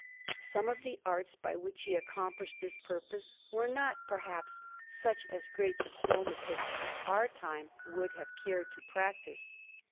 Some of the arts by which he accomplished his purposes were not, perhaps, such as a great diplomatist of our time would have cared to practise.